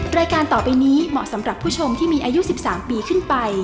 รายการต่อไปนี้เหมาะสำหรับผู้ชมที่มีอายุ๑๓ปีขึ้นไป